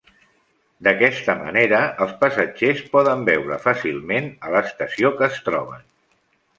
D'aquesta manera els passatgers poden veure fàcilment a l'estació que es troben.